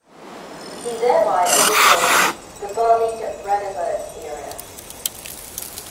He thereby oversaw the Berlin-Brandenburg area.